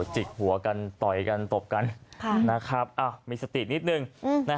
จิกหัวกันต่อยกันตบกันนะครับมีสตินิดนึงนะครับ